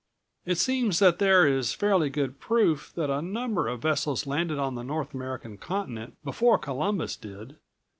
"It seems that there is fairly good proof that a number of vessels landed on the North American continent before Columbus did.